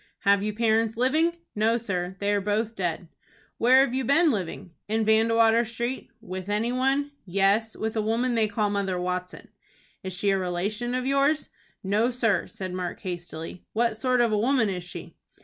"Have you parents living?" "No, sir; they are both dead." "Where have you been living?" "In Vandewater Street." "With any one?" "Yes, with a woman they call Mother Watson." "Is she a relation of yours?" "No, sir," said Mark, hastily. "What sort of a woman is she?"